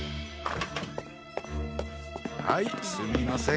はいすみません。